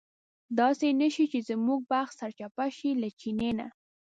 داسې نه شي چې زموږ بخت سرچپه شي له چیني نه.